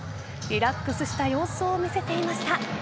リラックスした様子を見せていました。